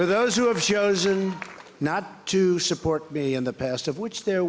untuk mereka yang mencari untuk tidak mendukung saya di masa lalu